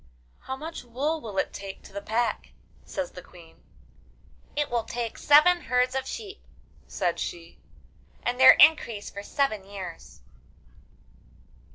'How much wool will it take to the pack?' says the Queen. 'It will take seven herds of sheep,' said she, 'and their increase for seven years.